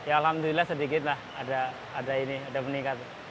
alhamdulillah sedikitlah ada ini ada meningkat